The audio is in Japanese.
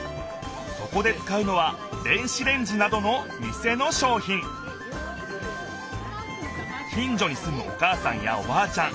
そこで使うのは電子レンジなどの店のしょうひん近じょにすむおかあさんやおばあちゃん